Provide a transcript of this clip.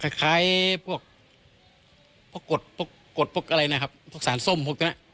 คล้ายพวกกดพวกกดพวกอะไรนะครับพวกสารส้มพวกนั้น